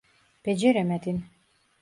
Beceremedim.